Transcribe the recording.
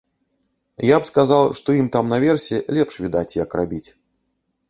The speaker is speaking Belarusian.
Я б сказаў, што ім там наверсе лепш відаць, як рабіць.